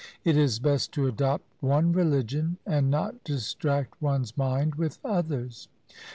It is best to adopt one religion and not distract one's mind with others.